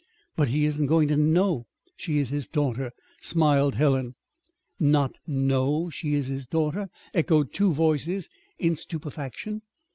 "But he isn't going to know she is his daughter," smiled Helen. "Not know she is his daughter!" echoed two voices, in stupefaction.